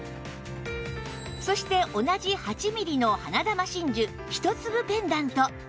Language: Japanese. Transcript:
そして同じ８ミリの花珠真珠１粒ペンダント